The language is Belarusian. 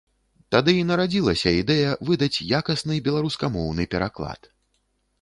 Тады і нарадзілася ідэя выдаць якасны беларускамоўны пераклад.